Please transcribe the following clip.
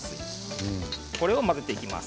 これを混ぜていきます。